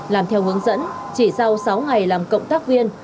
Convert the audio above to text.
làm theo hướng dẫn chỉ sau sáu ngày làm cộng tác viên